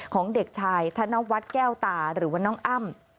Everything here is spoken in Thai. ของเด็กชายธนวัฒน์แก้วตาหรือว่าน้องอ้ำ